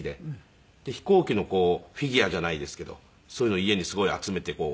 飛行機のこうフィギュアじゃないですけどそういうのを家にすごい集めてこう。